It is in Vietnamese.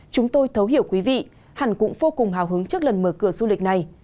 chúng tôi thấu hiểu quý vị hẳn cũng vô cùng hào hứng trước lần mở cửa du lịch này